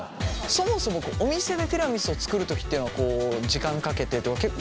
そもそもお店でティラミスを作る時っていうのはこう時間かけてどう作られるんですか？